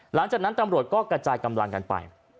หลังจากนั้นตำรวจก็กระจายกำลังกันไป